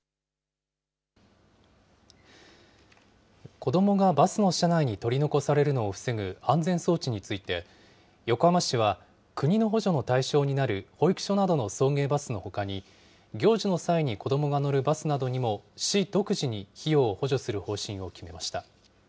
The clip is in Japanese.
子どもがバスの車内に取り残されるのを防ぐ安全装置について、横浜市は、国の補助の対象になる保育所などの送迎バスのほかに、行事の際に子どもが乗るバスなどにも、市独自に費用を補助する方